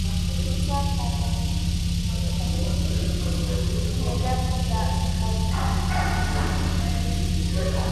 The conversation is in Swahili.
hutoa karanga endelevu za brazil Jamii ilitoa